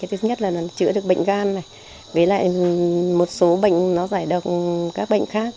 thứ nhất là nó chữa được bệnh gan này với lại một số bệnh nó giải độc các bệnh khác